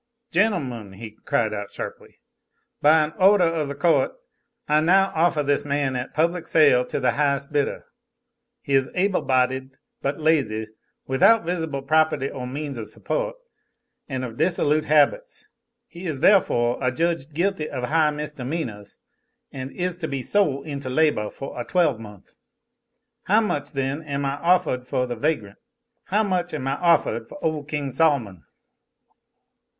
"Gentlemen," he then cried out sharply, "by an ordah of the cou't I now offah this man at public sale to the highes' biddah. He is able bodied but lazy, without visible property or means of suppoht, an' of dissolute habits. He is therefoh adjudged guilty of high misdemeanahs, an' is to be sole into labah foh a twelvemonth. How much, then, am I offahed foh the vagrant? How much am I offahed foh ole King Sol'mon?"